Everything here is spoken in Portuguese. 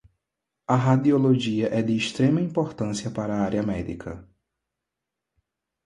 A radiologia é de extrema importância para a área médica